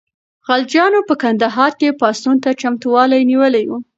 غلجیانو په کندهار کې پاڅون ته چمتووالی نیولی و.